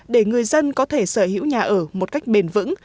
để người dân có thể sở hữu nhà ở một cách bền vững